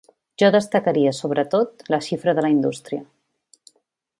Jo destacaria, sobretot, la xifra de la indústria.